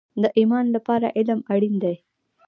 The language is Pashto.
د ایمان لپاره علم اړین دی